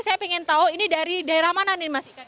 saya ingin tahu ini dari daerah mana nih mas ika